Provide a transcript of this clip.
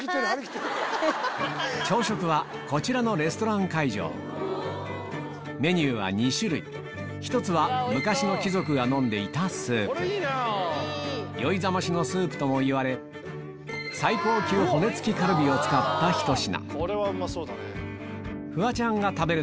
朝食はこちらのメニューは２種類１つは昔の貴族が飲んでいた酔いざましのスープともいわれ最高級骨付きカルビを使ったひと品